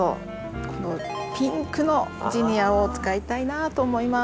このピンクのジニアを使いたいなと思います。